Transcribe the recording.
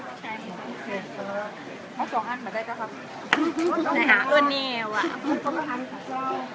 เอา๒อันมาได้เปล่าครับ